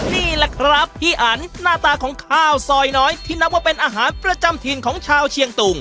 นี่แหละครับพี่อันหน้าตาของข้าวซอยน้อยที่นับว่าเป็นอาหารประจำถิ่นของชาวเชียงตุง